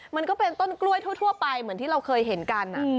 มันก็เป็นต้นกล้วยทั่วไปเหมือนที่เราเคยเห็นกัน